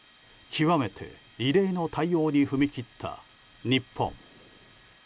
極めて異例の対応に踏み切った日本。